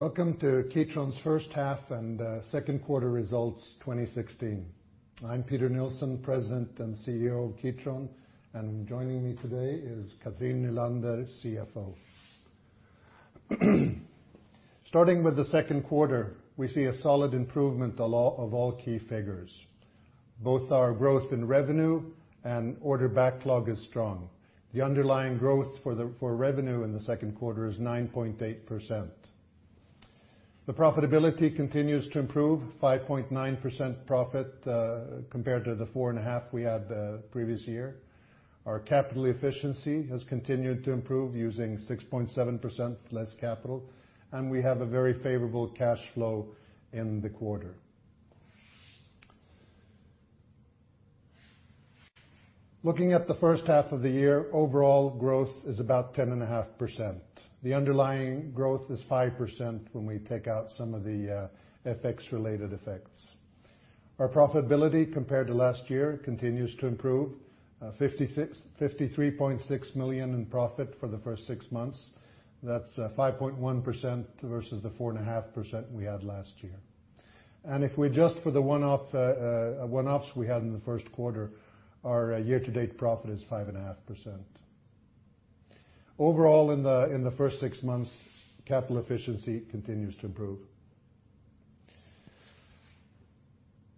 Welcome to Kitron's first half and second quarter results 2016. I'm Peter Nilsson, President and CEO of Kitron, and joining me today is Cathrin Nylander, CFO. Starting with the second quarter, we see a solid improvement of all key figures. Both our growth in revenue and order backlog is strong. The underlying growth for revenue in the second quarter is 9.8%. The profitability continues to improve, 5.9% profit, compared to the 4.5% we had the previous year. Our capital efficiency has continued to improve using 6.7% less capital, and we have a very favorable cash flow in the quarter. Looking at the first half of the year, overall growth is about 10.5%. The underlying growth is 5% when we take out some of the FX-related effects. Our profitability compared to last year continues to improve, 53.6 million in profit for the first six months. That's 5.1% versus the 4.5% we had last year. If we adjust for the one-off one-offs we had in the first quarter, our year-to-date profit is 5.5%. Overall, in the first six months, capital efficiency continues to improve.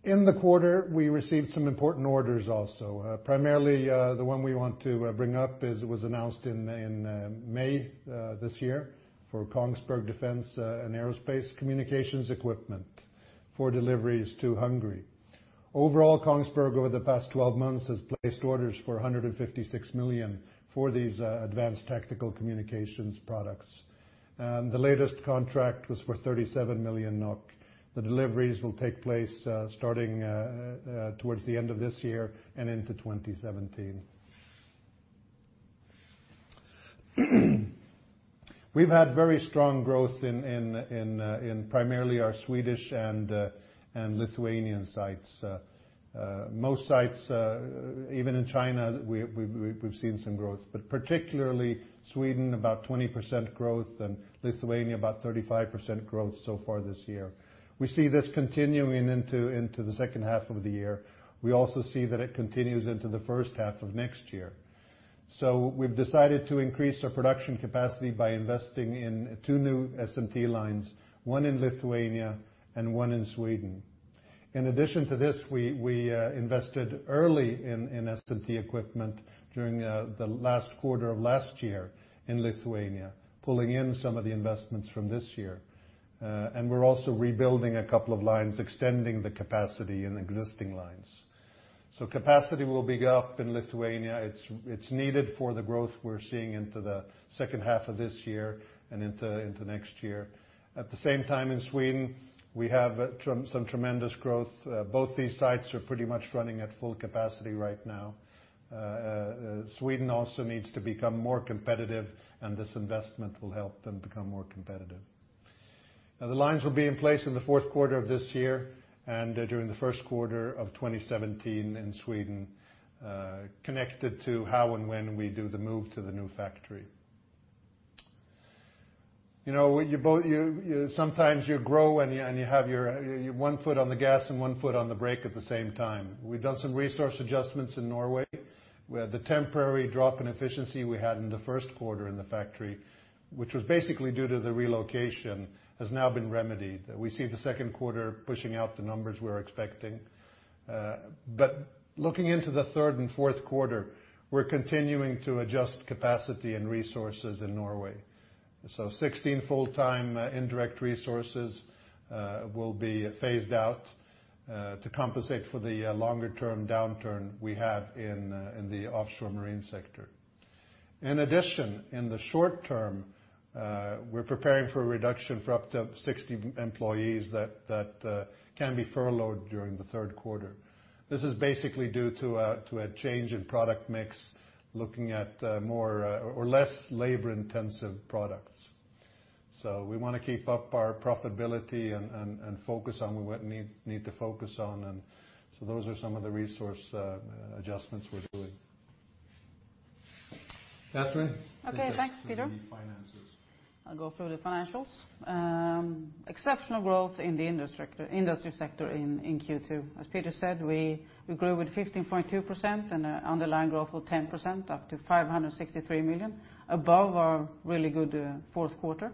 In the quarter, we received some important orders also. Primarily, the one we want to bring up is it was announced in May this year for Kongsberg Defence & Aerospace Communications equipment for deliveries to Hungary. Overall, Kongsberg, over the past 12 months, has placed orders for 156 million for these advanced tactical communications products. The latest contract was for 37 million NOK. The deliveries will take place starting towards the end of this year and into 2017. We've had very strong growth in primarily our Swedish and Lithuanian sites. Most sites, even in China, we've seen some growth, but particularly Sweden, about 20% growth, and Lithuania, about 35% growth so far this year. We see this continuing into the second half of the year. We also see that it continues into the first half of next year. We've decided to increase our production capacity by investing in two new SMT lines, one in Lithuania and one in Sweden. In addition to this, we invested early in SMT equipment during the last quarter of last year in Lithuania, pulling in some of the investments from this year. We're also rebuilding a couple of lines, extending the capacity in existing lines. Capacity will be up in Lithuania. It's needed for the growth we're seeing into the second half of this year and into next year. At the same time, in Sweden, we have some tremendous growth. Both these sites are pretty much running at full capacity right now. Sweden also needs to become more competitive, and this investment will help them become more competitive. The lines will be in place in the fourth quarter of this year and during the first quarter of 2017 in Sweden, connected to how and when we do the move to the new factory. You know, you both, sometimes you grow and you have your one foot on the gas and one foot on the brake at the same time. We've done some resource adjustments in Norway. We had the temporary drop in efficiency we had in the first quarter in the factory, which was basically due to the relocation, has now been remedied. We see the second quarter pushing out the numbers we're expecting. Looking into the third and fourth quarter, we're continuing to adjust capacity and resources in Norway. 16 full-time indirect resources will be phased out to compensate for the longer-term downturn we have in the offshore marine sector. In addition, in the short term, we're preparing for a reduction for up to 60 employees that can be furloughed during the third quarter. This is basically due to a change in product mix, looking at more or less labor-intensive products. We want to keep up our profitability and focus on what we need to focus on. Those are some of the resource adjustments we're doing. Cathrin. Okay. Thanks, Peter. Take us through the finances. I'll go through the financials. Exceptional growth in the industry sector in Q2. As Peter said, we grew with 15.2% and a underlying growth of 10%, up to 563 million, above our really good fourth quarter.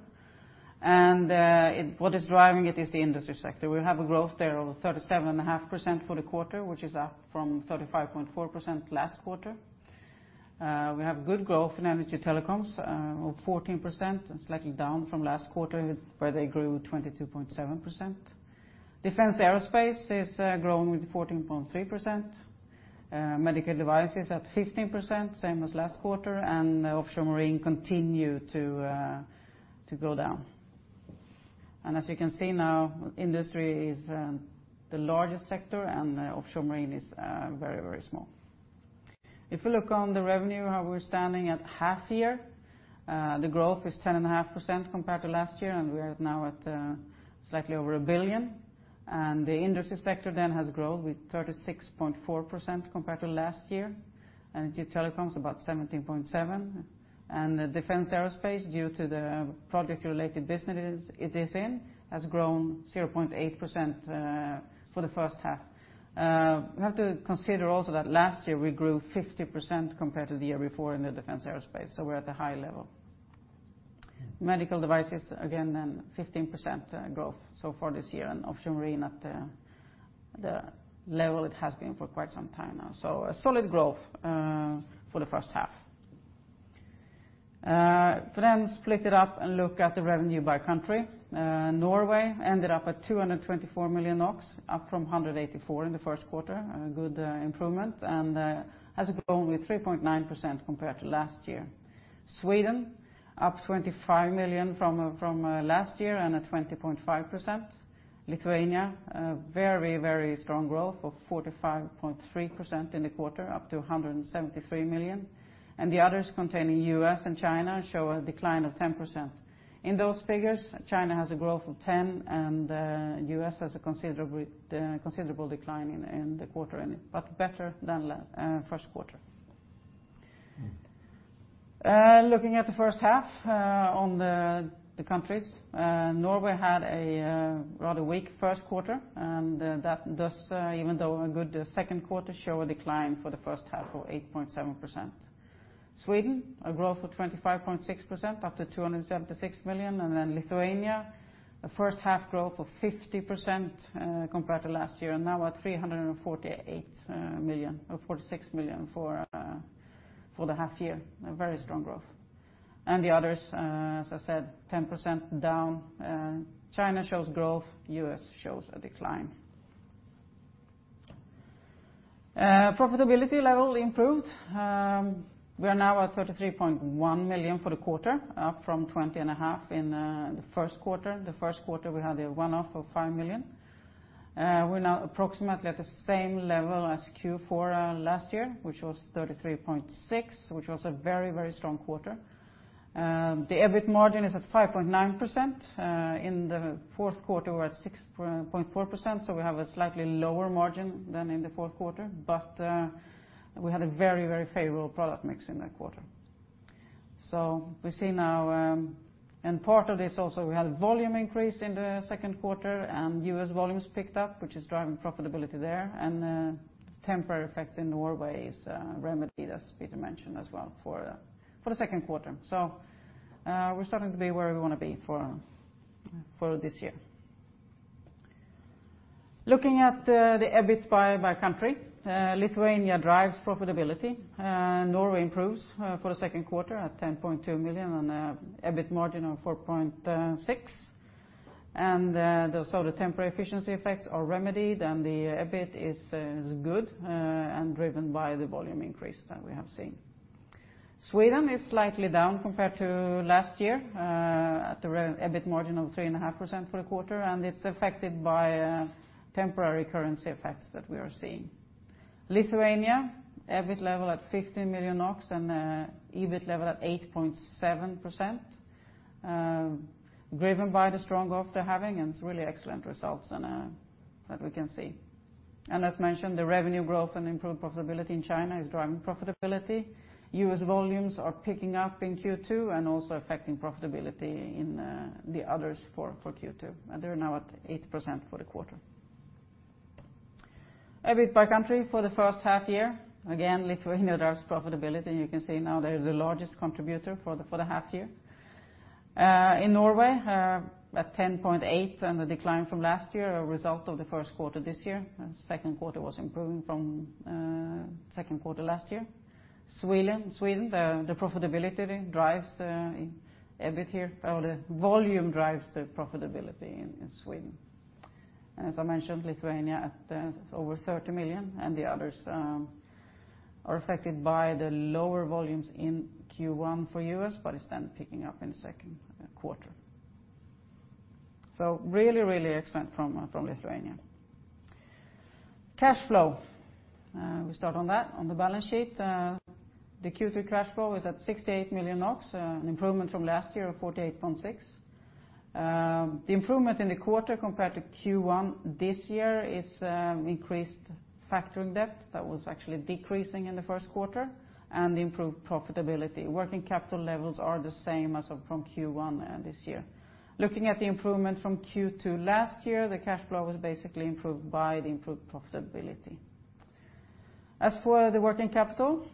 What is driving it is the industry sector. We have a growth there of 37.5% for the quarter, which is up from 35.4% last quarter. We have good growth in energy telecoms of 14%. It's slightly down from last quarter, where they grew 22.7%. Defense aerospace is growing with 14.3%. Medical devices at 15%, same as last quarter, and offshore marine continue to go down. As you can see now, industry is the largest sector and offshore marine is very, very small. If you look on the revenue, how we're standing at half year, the growth is 10.5% compared to last year, and we are now at slightly over 1 billion. The industry sector has grown with 36.4% compared to last year. Energy and telecoms about 17.7%. The defense aerospace, due to the project related businesses it is in, has grown 0.8% for the first half. We have to consider also that last year we grew 50% compared to the year before in the defense aerospace, so we're at the high level. Medical devices, again, then 15% growth so far this year, and offshore marine at the level it has been for quite some time now. A solid growth for the first half. Let's split it up and look at the revenue by country. Norway ended up at 224 million NOK, up from 184 million in the first quarter, a good improvement, and has grown with 3.9% compared to last year. Sweden, up 25 million from last year and at 20.5%. Lithuania, very, very strong growth of 45.3% in the quarter, up to 173 million. The others containing U.S. and China show a decline of 10%. In those figures, China has a growth of 10%, and U.S. has a considerable decline in the quarter, but better than first quarter. Looking at the first half, on the countries, Norway had a rather weak first quarter, and that does, even though a good second quarter, show a decline for the first half of 8.7%. Sweden, a growth of 25.6%, up to 276 million. Lithuania, a first half growth of 50% compared to last year, and now at 348 million, or 46 million for the half year, a very strong growth. The others, as I said, 10% down. China shows growth, U.S. shows a decline. Profitability level improved. We are now at 33.1 million for the quarter, up from twenty and a half in the first quarter. The first quarter we had a one-off of 5 million. We're now approximately at the same level as Q4 last year, which was 33.6, which was a very, very strong quarter. The EBITDA margin is at 5.9%. In the fourth quarter we're at 6.4%, we have a slightly lower margin than in the fourth quarter, we had a very, very favorable product mix in that quarter. We see now, in part of this also we had volume increase in the second quarter, and US volumes picked up, which is driving profitability there, and temporary effects in Norway is remedied, as Peter mentioned as well, for the second quarter. We're starting to be where we wanna be for this year. Looking at the EBITDA by country, Lithuania drives profitability. Norway improves for the second quarter at 10.2 million on an EBITDA margin of 4.6%. The temporary efficiency effects are remedied, and the EBITDA is good, and driven by the volume increase that we have seen. Sweden is slightly down compared to last year, at the EBITDA margin of 3.5% for the quarter, and it's affected by temporary currency effects that we are seeing. Lithuania, EBITDA level at 15 million and a EBITDA level at 8.7%, driven by the strong growth they're having. It's really excellent results that we can see. As mentioned, the revenue growth and improved profitability in China is driving profitability. U.S. volumes are picking up in Q2 and also affecting profitability in the others for Q2. They're now at 8% for the quarter. EBITDA by country for the first half year. Again, Lithuania drives profitability, and you can see now they're the largest contributor for the half year. In Norway, at 10.8% and the decline from last year are a result of the first quarter this year. Second quarter was improving from second quarter last year. Sweden, the profitability drives EBITDA here, or the volume drives the profitability in Sweden. As I mentioned, Lithuania at over 30 million, and the others are affected by the lower volumes in Q1 for US, but it's then picking up in the second quarter. Really excellent from Lithuania. Cash flow, we start on that. On the balance sheet, the Q2 cash flow is at 68 million NOK, an improvement from last year of 48.6 million. The improvement in the quarter compared to Q1 this year is increased factoring debt that was actually decreasing in the first quarter and improved profitability. Working capital levels are the same as from Q1 this year. Looking at the improvement from Q2 last year, the cash flow was basically improved by the improved profitability. As for the working capital,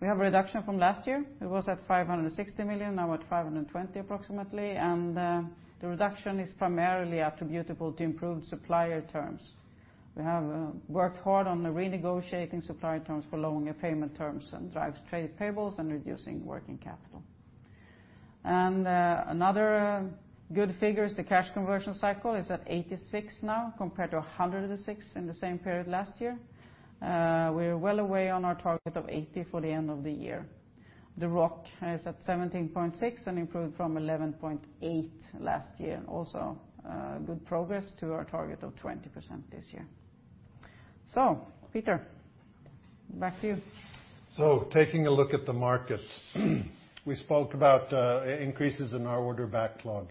we have a reduction from last year. It was at 560 million, now at 520 million approximately. The reduction is primarily attributable to improved supplier terms. We have worked hard on the renegotiating supplier terms for longer payment terms and drives trade payables and reducing working capital. Another good figure is the cash conversion cycle is at 86 now, compared to 106 in the same period last year. We are well away on our target of 80 for the end of the year. The ROC is at 17.6 and improved from 11.8 last year. Good progress to our target of 20% this year. Peter, back to you. Taking a look at the markets, we spoke about increases in our order backlog.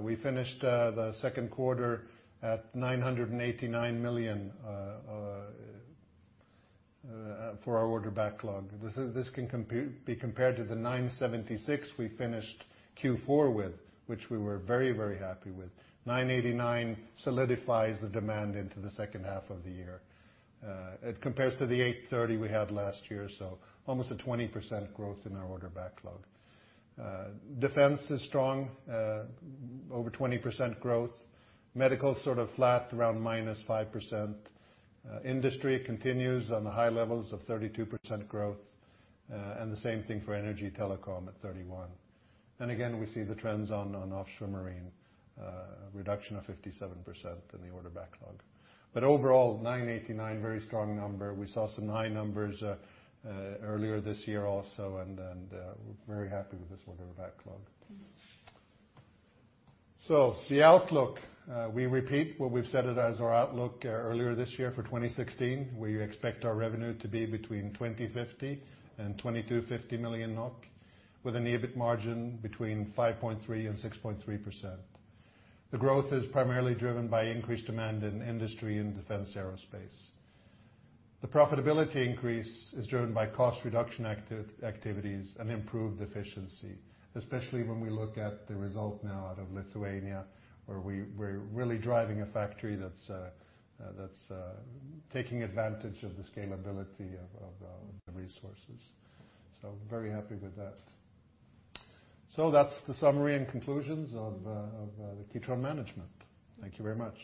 We finished the second quarter at 989 million for our order backlog. This can be compared to the 976 we finished Q4 with, which we were very happy with. 989 solidifies the demand into the second half of the year. It compares to the 830 we had last year, almost a 20% growth in our order backlog. Defense is strong, over 20% growth. Medical sort of flat, around -5%. Industry continues on the high levels of 32% growth, the same thing for energy telecom at 31%. Again, we see the trends on offshore marine, reduction of 57% in the order backlog. Overall, 989, very strong number. We saw some high numbers earlier this year also, very happy with this order backlog. The outlook we repeat what we've said as our outlook earlier this year for 2016. We expect our revenue to be between 2,050 million and 2,250 million NOK, with an EBITDA margin between 5.3% and 6.3%. The growth is primarily driven by increased demand in industry and defense aerospace. The profitability increase is driven by cost reduction activities and improved efficiency, especially when we look at the result now out of Lithuania, where we're really driving a factory that's taking advantage of the scalability of the resources. Very happy with that. That's the summary and conclusions of the Kitron management. Thank you very much.